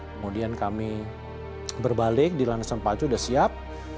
kemudian kami berbalik di langsan pacu sudah siap